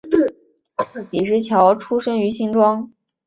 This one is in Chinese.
李石樵出生于新庄